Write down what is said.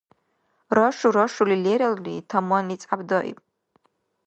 Рашу-рашули лералли, таманни цӀябдаиб.